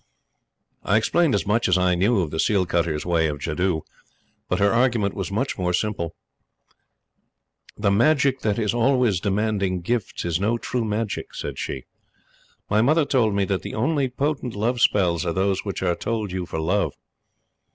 I explained as much as I knew of the seal cutter's way of jadoo; but her argument was much more simple: "The magic that is always demanding gifts is no true magic," said she. "My mother told me that the only potent love spells are those which are told you for love.